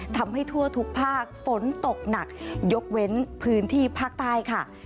ทำให้ทั่วทุกภาคฝนตกหนักยกเว้นพื้นที่ภาคใต้ค่ะ